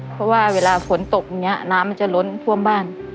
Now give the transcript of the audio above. เพราะว่าเวลาฝนตกอย่างนี้น้ำมันจะล้นท่วมบ้าน